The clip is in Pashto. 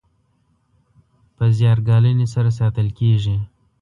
په زیار ګالنې سره ساتل کیږي.